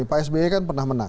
pak sby kan pernah menang